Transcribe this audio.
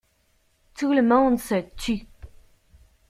Tout le monde se tut.